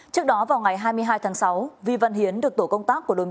trước đó vào ngày hai mươi hai tháng sáu vi văn hiến được tổ công tác của đồng bộ